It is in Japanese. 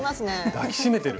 抱き締めてる。